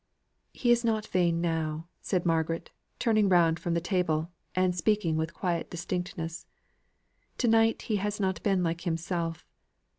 "He is not vain now," said Margaret, turning round from the table, and speaking with quiet distinctness. "To night he has not been like himself.